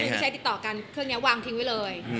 ที่ใช้ติดต่อกันเครื่องนี้วางทิ้งไว้เลย